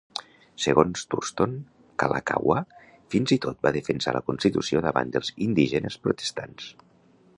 Segons Thurston, Kalakaua fins i tot va defensar la constitució davant dels indígenes protestants.